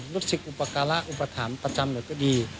รู้สึกอุปการะอุปถัมภ์ประจำหน่อยก็ดี